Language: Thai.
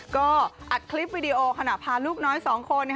ก็อัดคลิปวิดีโอขณะพาลูกน้อย๒คน